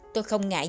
tôi không ngại gì